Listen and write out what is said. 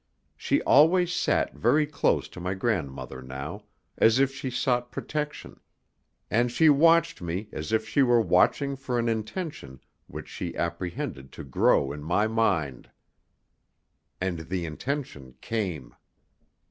She always sat very close to my grandmother now, as if she sought protection, and she watched me as if she were watching for an intention which she apprehended to grow in my mind. And the intention came.